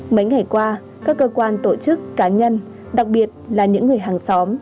mấy ngày qua các cơ quan tổ chức cá nhân đặc biệt là những người hàng xóm